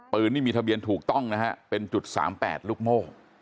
นี่มีทะเบียนถูกต้องนะฮะเป็นจุด๓๘ลูกโม่